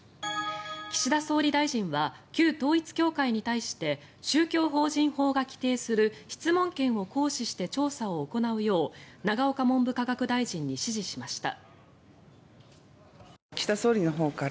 岸田総理大臣は旧統一教会に対して宗教法人法が規定する質問権を行使して調査を行うよう永岡文部科学大臣に指示しました。